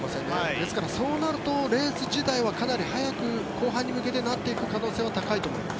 ですから、そうなるとレース自体はかなり早く後半に向けてなっていく可能性は高いと思います。